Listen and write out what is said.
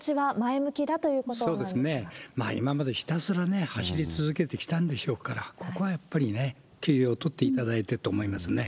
今までひたすら走り続けてきたんでしょうから、ここはやっぱりね、休養取っていただいてと思いますね。